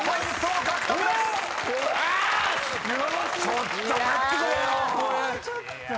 ちょっと待ってくれよ！